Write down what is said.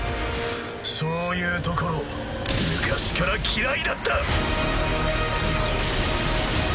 そういうところ昔から嫌いだった！